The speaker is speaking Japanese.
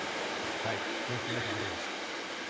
皆さんはどうでしょうか。